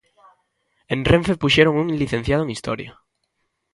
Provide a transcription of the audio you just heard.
En Renfe puxeron un licenciado en Historia.